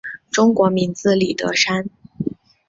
中国名字李德山。